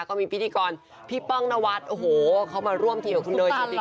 ก็มีพิธีกรพี่ป้องนวัดโอ้โหเขามาร่วมทีกับคุณเนยจริง